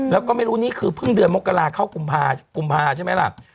แล้วก็ไม่รู้นี่คือเพิ่งเดือนมกราเข้ากุมภาใช่ไหมล่ะ